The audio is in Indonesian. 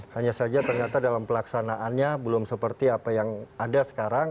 hanya saja ternyata dalam pelaksanaannya belum seperti apa yang ada sekarang